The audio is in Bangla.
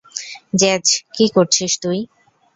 জ্যাজ, কী করছিস তুই?